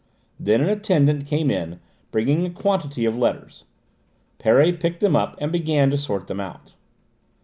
Then an attendant came in, bringing a quantity of letters. Perret picked them up and began to sort them out.